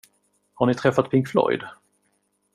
Har ni träffat Pink Floyd?